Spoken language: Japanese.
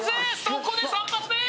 そこで３発目！